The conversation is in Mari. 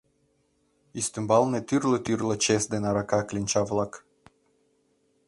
Ӱстембалне тӱрлӧ-тӱрлӧ чес ден арака кленча-влак.